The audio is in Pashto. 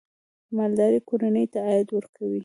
مالداري کورنۍ ته عاید ورکوي.